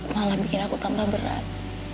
malah bikin aku tambah berat